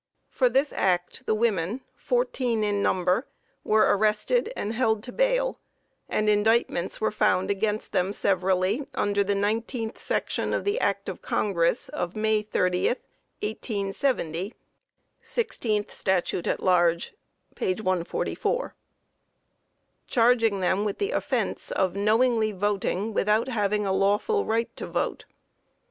For this act, the women, fourteen in number, were arrested and held to bail, and indictments were found against them severally, under the 19th Section of the Act of Congress of May 30th, 1870, (16 St. at L. 144.) charging them with the offense of "knowingly voting without having a lawful right to vote."